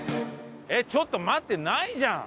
ちょっと待ってないじゃん！